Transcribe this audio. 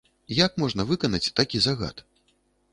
Як можна выканаць такі загад?